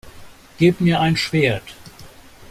Gebt mir ein Schwert!